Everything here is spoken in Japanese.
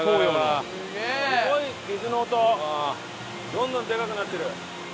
どんどんでかくなってる！